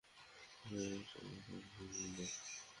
সে একা থাকতেই স্বচ্ছন্দ।